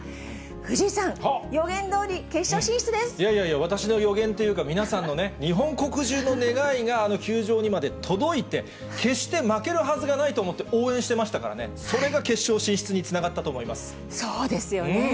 藤井さん、予言どおり、いやいやいや、私の予言というか、皆さんのね、日本国中の願いがあの球場にまで届いて、決して負けるはずがないと思って応援してましたからね、それが決そうですよね。